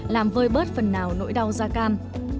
làm vơi bớt phần nào nỗi đau da cam